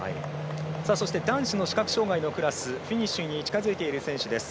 そして男子の視覚障がいのクラスフィニッシュに近づいている選手です。